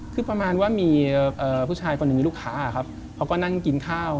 คือประมาณว่ามีผู้ชายคนหนึ่งมีลูกค้าครับเขาก็นั่งกินข้าว